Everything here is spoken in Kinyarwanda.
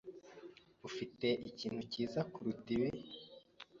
Ufite ikintu cyiza kuruta ibi?